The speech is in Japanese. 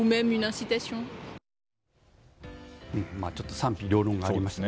賛否両論がありますね。